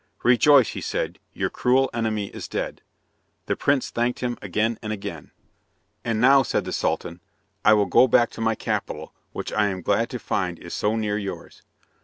"Rejoice," he said, "your cruel enemy is dead." The prince thanked him again and again. "And now," said the Sultan. "I will go back to my capital, which I am glad to find is so near yours."